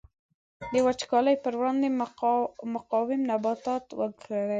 د وچکالۍ پر وړاندې مقاوم نباتات وکري.